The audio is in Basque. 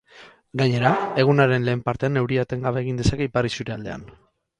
Gainera, egunaren lehen partean euria etengabe egin dezake ipar isurialdean.